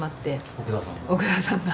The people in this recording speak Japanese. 奥田さんが？